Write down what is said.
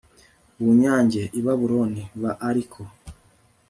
bunyage i Babuloni b Ariko